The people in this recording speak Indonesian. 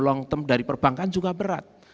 long term dari perbankan juga berat